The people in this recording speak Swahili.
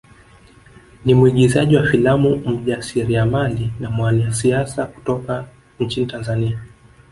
Ni mwigizaji wa filamu mjasiriamali na mwanasiasa kutoka nchini Tanzania